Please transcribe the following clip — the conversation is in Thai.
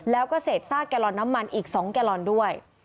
แล้วก็เศษซากแกลลอนน้ำมันอีก๒แกลลอนด้วย